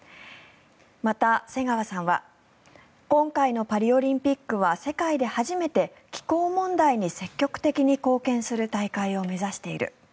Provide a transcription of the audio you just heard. また世川さんは今回のパリオリンピックは世界で初めて気候問題に積極的に貢献する大会を目指している。